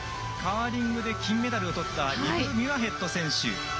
カーリングで金メダルをとったミュアヘッド選手